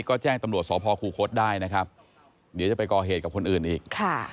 ก็แจ้งตำรวจสพคูคศได้นะครับเดี๋ยวจะไปก่อเหตุกับคนอื่นอีก